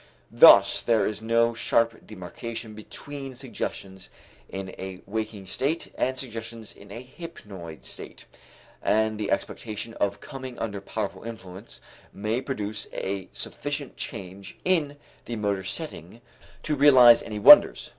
Thus there is no sharp demarcation between suggestions in a waking state and suggestions in a hypnoid state. And the expectation of coming under powerful influence may produce a sufficient change in the motor setting to realize any wonders.